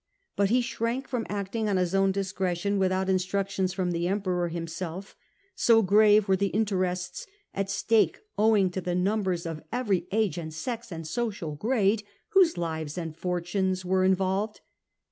But he shrank from acting on his own discretion without instruc tions from the Emperor himself, so grave were the interests at stake owing to the numbers of every age and sex and social grade whose lives and fortunes were involved.